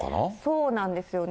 そうなんですよね。